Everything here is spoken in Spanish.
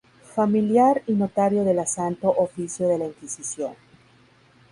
Familiar y Notario de la Santo Oficio de la Inquisición.